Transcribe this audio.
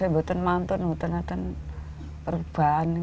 saya tidak bisa menjaga diri saya sendiri